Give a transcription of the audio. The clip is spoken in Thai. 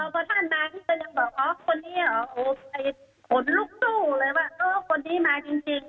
พอท่านมาพี่ก็ยังบอกอ๋อคนนี้เหรอขนลุกสู้เลยว่าคนนี้มาจริง